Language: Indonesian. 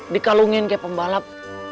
dikalungin seperti pembalap